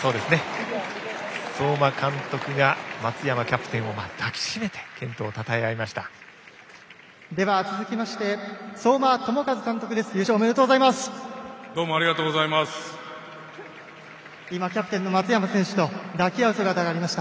相馬監督が松山キャプテンを抱きしめて健闘をたたえ合いました。